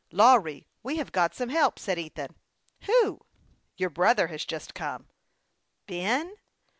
" Lawry, AVG have got some help," said Ethan. " Who ?"" Your brother has just come." " Ben